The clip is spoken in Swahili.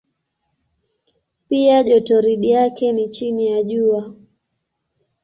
Pia jotoridi yake ni chini ya Jua.